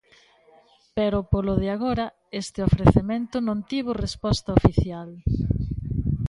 Pero, polo de agora este ofrecemento non tivo resposta oficial.